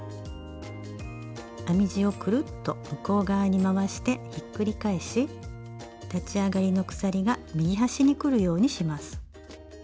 編み地をくるっと向こう側に回してひっくり返し立ち上がりの鎖が右端にくるようにします。